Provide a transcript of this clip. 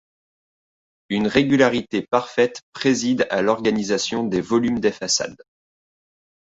Une régularité parfaite préside à l'organisation des volumes des façades.